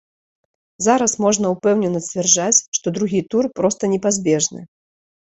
Зараз можна ўпэўнена сцвярджаць, што другі тур проста непазбежны.